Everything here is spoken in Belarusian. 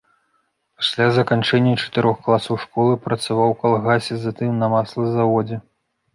Пасля заканчэння чатырох класаў школы працаваў у калгасе, затым на маслазаводзе.